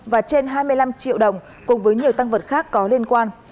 và trên hai mươi năm triệu đồng cùng với nhiều tăng vật khác có liên quan